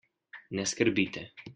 Ne skrbite.